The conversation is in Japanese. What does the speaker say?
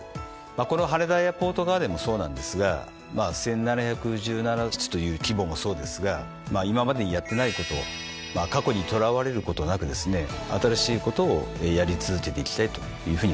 この「羽田エアポートガーデン」もそうなんですがまあ１，７１７室という規模もそうですが今までにやってないこと過去にとらわれることなくですね新しいことをやり続けていきたいというふうに考えております。